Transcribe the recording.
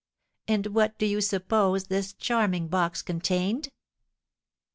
And what do you suppose this charming box contained?